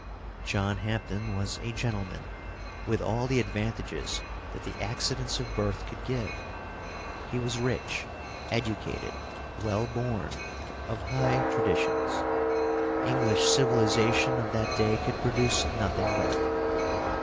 John Hampden was a gentleman, with all the advantages that the accidents of birth could give. He was rich, educated, well born, of high traditions. English civilization of that day could produce nothing better.